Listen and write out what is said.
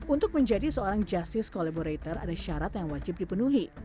untuk menjadi seorang justice collaborator ada syarat yang wajib dipenuhi